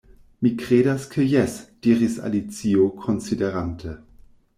"Mi kredas ke jes," diris Alicio, konsiderante.